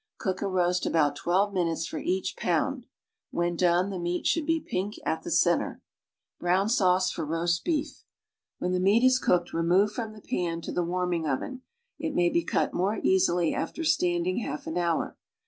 Cook a roast about twel\"e minutes for each pound, ^^'hen done the meat should be pink at the center. BROWN SAUCE FOR ROAST BEEF When the meat is cooked, remove from the pan to the warming oven; it may be cut more easily after standing half an hour.